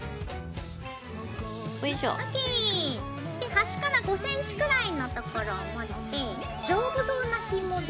はしから５ｃｍくらいのところを持って丈夫そうなひもで。